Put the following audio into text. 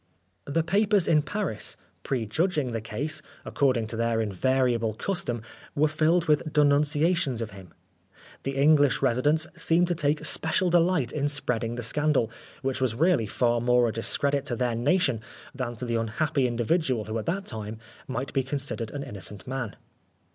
The papers in Paris, prejudg ing the case, according to their invariable custom, were filled with denunciations of him. The English residents seemed to take special delight in spreading the scandal, which was really far more a discredit to their nation than to the unhappy individual who at that time might be considered an innocent man.